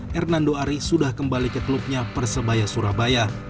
hernando ari sudah kembali ke klubnya persebaya surabaya